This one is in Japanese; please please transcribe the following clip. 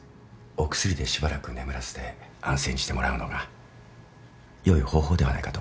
お薬でしばらく眠らせて安静にしてもらうのが良い方法ではないかと思っています。